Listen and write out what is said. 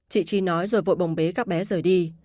chị chi nói rồi vội bồng bế các bé rời đi